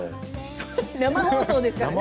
生放送ですからね。